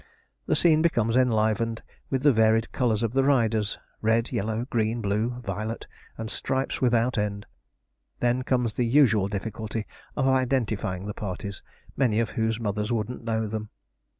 The scene becomes enlivened with the varied colours of the riders red, yellow, green, blue, violet, and stripes without end. Then comes the usual difficulty of identifying the parties, many of whose mothers wouldn't know them.